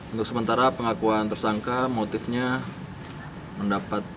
untuk sementara pengakuan tersangka motifnya mendapat